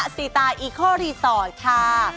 ซีตาอีโครีสอร์ทค่ะ